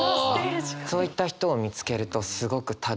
そういった人を見つけるとすごくたぎるというか。